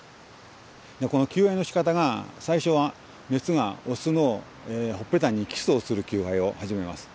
この求愛のしかたが最初はメスがオスのほっぺたにキスをする求愛を始めます。